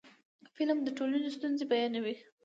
فلم د ټولنې ستونزې بیانوي